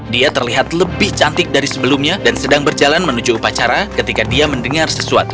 dia terlihat lebih cantik dari sebelumnya dan sedang berjalan menuju upacara ketika dia mendengar sesuatu